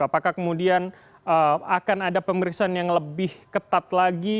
apakah kemudian akan ada pemeriksaan yang lebih ketat lagi